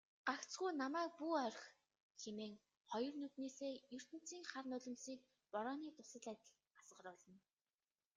"Гагцхүү намайг бүү орхи" хэмээн хоёр нүднээсээ ертөнцийн хар нулимсыг борооны дусал адил асгаруулна.